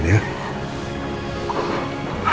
kasih ya sayang